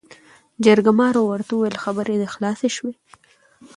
جرګمارو ورته وويل خبرې دې خلاصې شوې ؟